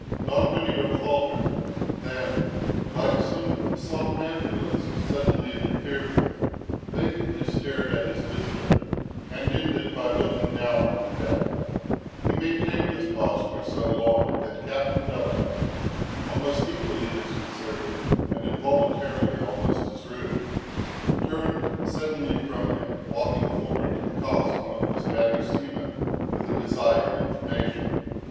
Don Benito faltered; then, like some somnambulist suddenly interfered with, vacantly stared at his visitor, and ended by looking down on the deck. He maintained this posture so long, that Captain Delano, almost equally disconcerted, and involuntarily almost as rude, turned suddenly from him, walking forward to accost one of the Spanish seamen for the desired information.